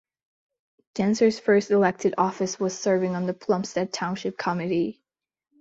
Dancer's first elected office was serving on the Plumsted Township committee.